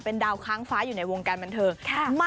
ดาวค้างฟ้าอยู่ในวงการบันเทิง